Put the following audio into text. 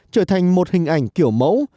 trở thành một hình ảnh kiểu mẫu